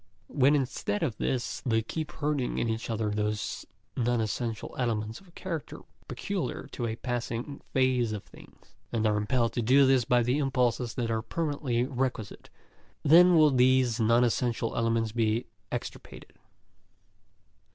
When, instead of this, they keep hurting in each other those non essential elements of character peculiar to a passing phase of things, and are impelled to do this by impulses that are permanently requisite, then will these non essential elements be extirpated.